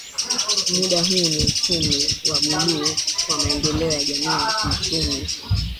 Mada kuu ni Uchumi wa Buluu kwa Maendeleo ya Kijamii na Kiuchumi